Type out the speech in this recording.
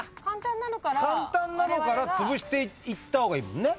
簡単なのからつぶしていった方がいいもんね。